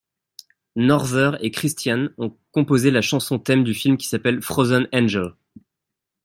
Norther et Kristian ont composé la chanson thème du film qui s’appelle Frozen Angel.